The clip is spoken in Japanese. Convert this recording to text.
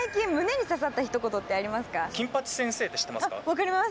分かります。